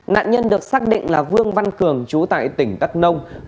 nạn nhân được xác định là vương văn cường chú tại tỉnh đắk nông